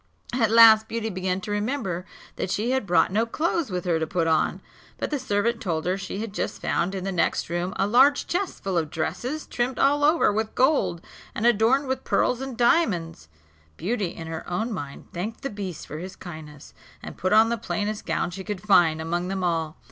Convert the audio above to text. At last Beauty began to remember that she had brought no clothes with her to put on; but the servant told her she had just found in the next room a large chest full of dresses, trimmed all over with gold, and adorned with pearls and diamonds. Beauty in her own mind thanked the beast for his kindness, and put on the plainest gown she could find among them all.